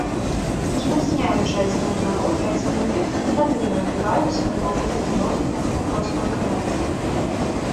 Узмацняючы адзін аднаго, дадзеныя эфекты негатыўна адбіваюцца на доўгатэрміновых тэмпах росту эканомікі.